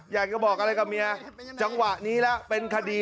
อยากจะบอกอะไรกับเมียจังหวะนี้แล้วเป็นคดี